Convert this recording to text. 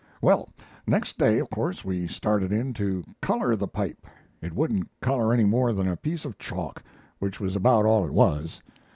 "Well, next day, of course, he started in to color the pipe. It wouldn't color any more than a piece of chalk, which was about all it was.